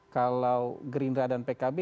kalau gerindra dan pkb